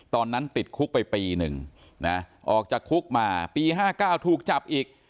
ตอนนั้นติดคุกไปปีหนึ่งนะออกจากคุกมาปี๕๙ถูกจับอีก